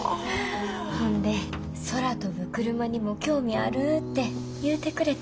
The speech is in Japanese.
ほんで空飛ぶクルマにも興味あるって言うてくれた。